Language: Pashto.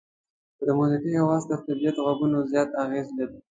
که د موسيقۍ اواز تر طبيعت غږونو زیاته اغېزه لري.